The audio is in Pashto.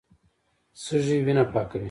سږي وینه پاکوي.